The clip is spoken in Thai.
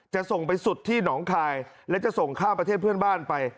ส่งไปสุดที่หนองคายและจะส่งข้ามประเทศเพื่อนบ้านไป